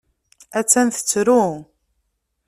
Attan tettru.